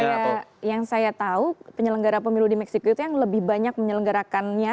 ya yang saya tahu penyelenggara pemilu di meksiko itu yang lebih banyak menyelenggarakannya